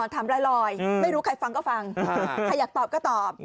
ถามลอยไม่รู้ใครฟังก็ฟังใครอยากตอบก็ตอบ